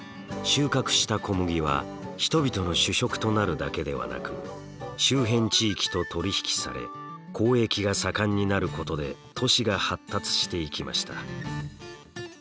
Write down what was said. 収穫した小麦は人々の主食となるだけではなく周辺地域と取り引きされ交易が盛んになることで都市が発達していきました。